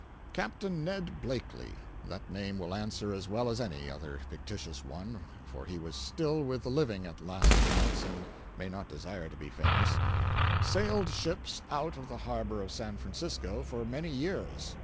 Capt. Ned Blakely—that name will answer as well as any other fictitious one (for he was still with the living at last accounts, and may not desire to be famous)—sailed ships out of the harbor of San Francisco for many years.